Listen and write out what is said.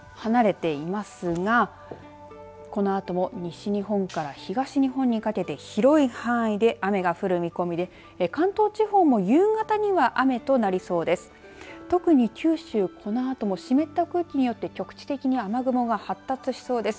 台風は離れていますがこのあとも西日本から東日本にかけて広い範囲で雨が降る見込みで関東地方も夕方には雨となりそうです。